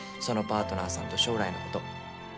そのパートナーさんと将来のこと。